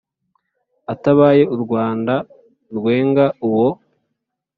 atabaye u rwanda rwenga uwo.